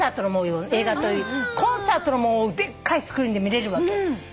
コンサートの模様をでっかいスクリーンで見れるわけ。